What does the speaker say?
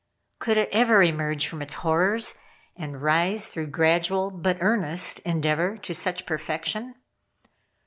"Could it ever emerge from its horrors, and rise through gradual but earnest endeavor to such perfection?